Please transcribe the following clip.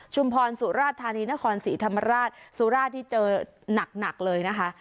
พรสุราธานีนครศรีธรรมราชสุราชนี่เจอหนักเลยนะคะ